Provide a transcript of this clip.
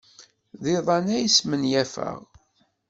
D iḍan ay smenyafeɣ.